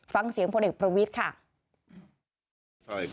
ฟังเสียงพลเอกประวิทย์ค่ะ